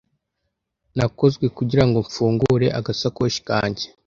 Nakozwe kugirango mfungure agasakoshi kanjye.